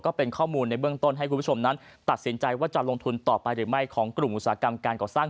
ก็เป็นข้อมูลในเบื้องต้นให้คุณผู้ชมนั้นตัดสินใจว่าจะลงทุนต่อไปหรือไม่ของกลุ่มอุตสาหกรรมการก่อสร้าง